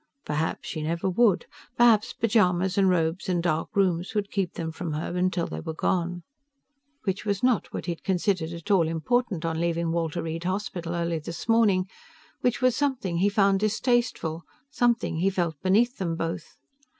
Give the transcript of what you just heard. Perhaps she never would. Perhaps pajamas and robes and dark rooms would keep them from her until they were gone. Which was not what he'd considered at all important on leaving Walter Reed Hospital early this morning; which was something he found distasteful, something he felt beneath them both.